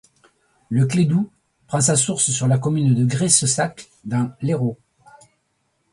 Le Clédou prend sa source sur la commune de Graissessac dans l'Hérault.